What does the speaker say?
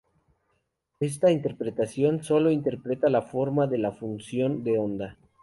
Esta interpretación solo interpreta la forma de la función de onda.